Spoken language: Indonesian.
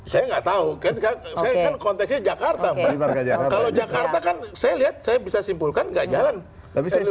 saya enggak tahu kan konteksnya jakarta kalau jakarta kan saya lihat saya bisa simpulkan enggak